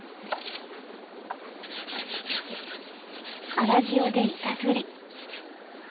粗塩で板ずり。